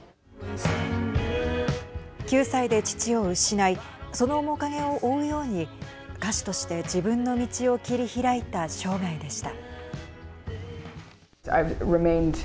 ９歳で父を失いその面影を追うように歌手として自分の道を切り開いた生涯でした。